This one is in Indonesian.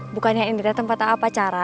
bukannya ini teh tempat a'ah pacaran